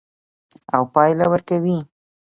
او پایله ورکوي.